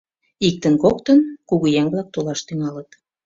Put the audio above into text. Иктын-коктын кугыеҥ-влак толаш тӱҥалыт.